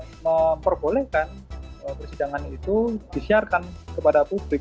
yaitu dengan cara memperbolehkan persidangan itu disiarkan kepada publik